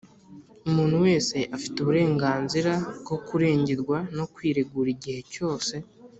Umuntu wese afite uburenganzira bwo kurengerwa no kwiregura igihe cyose